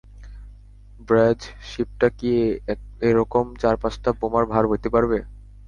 ব্র্যায, শিপটা কি এরকম চার-পাঁচটা বোমার ভার বইতে পারবে?